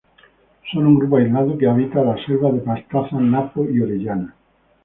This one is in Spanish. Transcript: Son un grupo aislado que habita las selvas de Pastaza, Napo y Orellana.